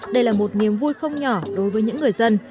đây là một niềm vui không nhỏ đối với những người dân